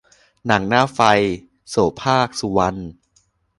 หนังหน้าไฟ- โสภาค สุวรรณ